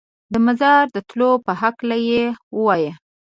د مزار د تلو په هکله یې ووایه.